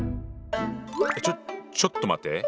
ちょちょっと待って。